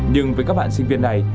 nhưng với các bạn sinh viên này